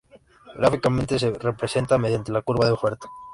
Gráficamente se representa mediante la curva de oferta.